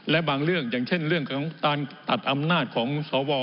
และบางเรื่องอย่างเช่นเรื่องของการตัดอำนาจของสว